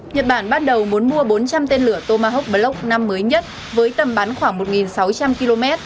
nhật bản bắt đầu muốn mua bốn trăm linh tên lửa tomahawk block năm mới nhất với tầm bắn khoảng một sáu trăm linh km